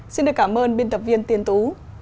xin cảm ơn biên tập viên tiên tú